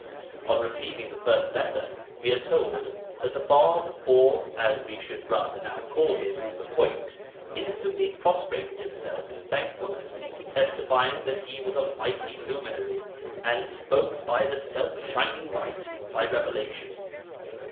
On receiving the first letter, we are told that the Bāb (or, as we should rather now call him, the Point) instantly prostrated himself in thankfulness, testifying that he was a mighty Luminary, and spoke by the Self shining Light, by revelation.